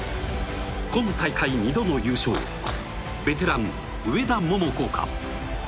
◆今大会２度の優勝、ベテラン、上田桃子か。